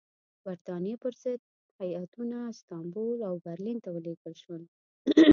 برټانیې پر ضد هیاتونه استانبول او برلین ته ولېږل شول.